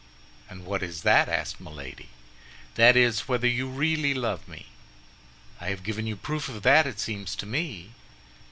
"And what is that?" asked Milady. "That is, whether you really love me?" "I have given you proof of that, it seems to me."